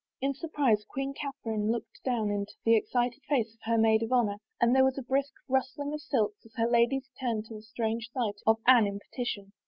In surprise Queen Catherine looked down into the ex cited face of her maid of honor, and there was a brisk rustling of silks as her ladies turned to the strange sight of Anne in petition.